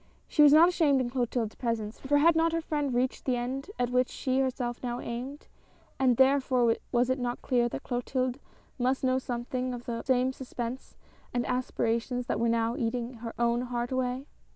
She was not ashamed in Clo tilde's presence, for had not her friend reached the end at which she herself now aimed, and therefore was it not clear that Clotilde must know something of the same suspense and aspirations that were now eating her own heart away.